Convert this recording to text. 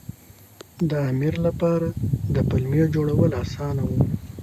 د امیر لپاره د پلمې جوړول اسانه وو.